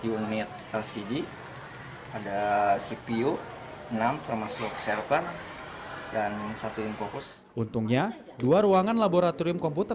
tiga puluh empat unit lcd ada cpu enam termasuk server dan satu infokus untungnya dua ruangan laboratorium komputer